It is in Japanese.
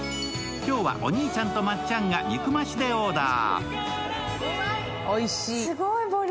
今日はお兄ちゃんとまっちゃんが肉増しでオーダー。